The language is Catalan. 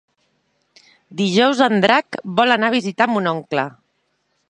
Dijous en Drac vol anar a visitar mon oncle.